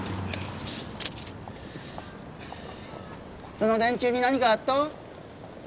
その電柱に何があっと？